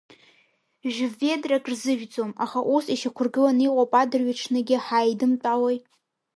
Жә-ведрак рзыжәӡом, аха ус ишьақәыргыланы иҟоуп адырҩаҽныгьы ҳааидымтәалои!